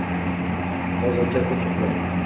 Hozircha tinch uxla